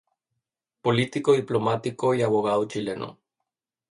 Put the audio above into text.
Político, diplomático y abogado chileno.